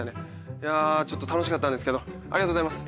いやぁちょっと愉しかったですけどありがとうございます。